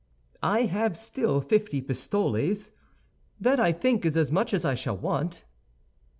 "I have still fifty pistoles. That, I think, is as much as I shall want."